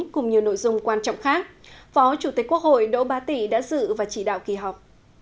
cùng nhiều nội dung quan trọng khác phó chủ tịch quốc hội đỗ bá tị đã dự và chỉ đạo kỳ họp